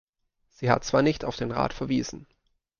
Sie hat zwar nicht auf den Rat verwiesen.